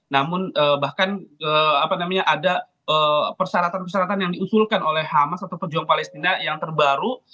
namun bahkan ada persyaratan persyaratan yang diusulkan oleh hamas atau pejuang palestina yang terbaru